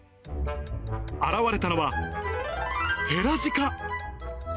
現れたのは、ヘラジカ。